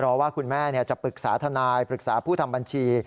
เพราะว่าคุณแม่จะปรึกษาทนายปรึกษาผู้ทำบัญชี